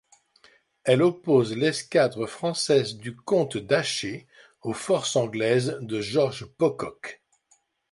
Elle oppose l’escadre française du comte d’Aché aux forces anglaises de George Pocock.